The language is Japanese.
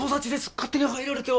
勝手に入られては。